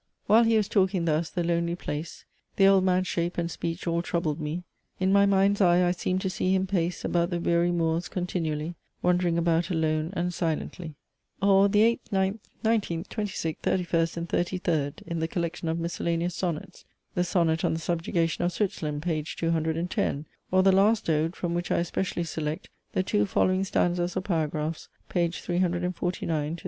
"While he was talking thus, the lonely place, The Old Man's shape, and speech, all troubled me In my mind's eye I seemed to see him pace About the weary moors continually, Wandering about alone and silently." Or the 8th, 9th, 19th, 26th, 31st, and 33rd, in the collection of miscellaneous sonnets the sonnet on the subjugation of Switzerland, page 210, or the last ode, from which I especially select the two following stanzas or paragraphs, page 349 to 350.